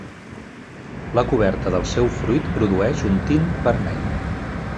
La coberta del seu fruit produeix un tint vermell.